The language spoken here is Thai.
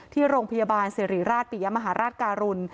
ที่โรงพยาบาลสิริราชปิยมหาราชการุล